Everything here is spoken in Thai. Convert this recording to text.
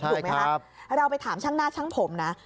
ได้ครับถ้าเราไปถามช่างหน้าช่างผมนะ